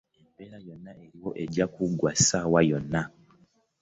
Embeera yonna eriwo ejja kuggwa ssaawa yonna.